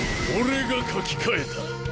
俺が書き換えた。